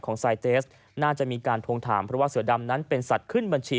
ไซเตสน่าจะมีการทวงถามเพราะว่าเสือดำนั้นเป็นสัตว์ขึ้นบัญชี